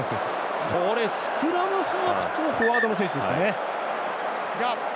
これ、スクラムハーフとフォワードの選手ですよね。